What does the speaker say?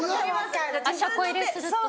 車庫入れするってこと？